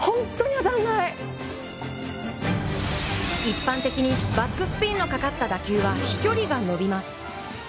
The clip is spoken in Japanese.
一般的にバックスピンのかかった打球は、飛距離が伸びます。